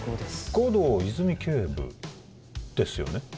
護道泉警部ですよね？